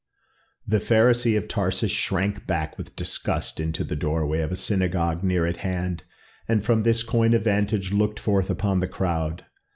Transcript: The Pharisee of Tarsus shrank back with disgust into the doorway of a synagogue near at hand, and from this coign of vantage looked forth on the crowd.